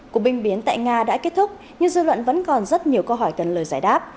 cuộc binh biến tại nga đã kết thúc nhưng dư luận vẫn còn rất nhiều câu hỏi cần lời giải đáp